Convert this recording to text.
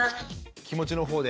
気持ちのほうで。